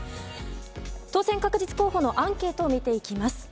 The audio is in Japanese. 当選確実候補のアンケートを見ていきます。